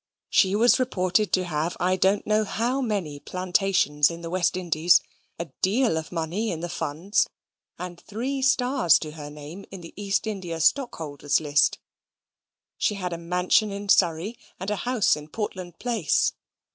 She was reported to have I don't know how many plantations in the West Indies; a deal of money in the funds; and three stars to her name in the East India stockholders' list. She had a mansion in Surrey, and a house in Portland Place.